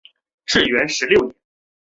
至元十六年。